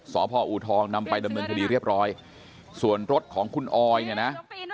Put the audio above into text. พอูทองนำไปดำเนินคดีเรียบร้อยส่วนรถของคุณออยเนี่ยนะ